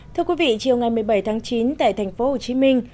thưa quý vị chiều ngày một mươi bảy tháng chín tại thành phố hồ chí minh